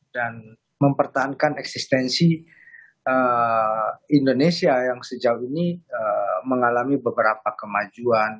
dan mempertahankan eksistensi indonesia yang sejauh ini mengalami beberapa kemajuan